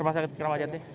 rumah sakit keramat jati